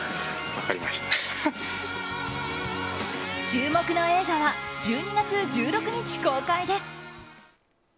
注目の映画は１２月１６日公開です。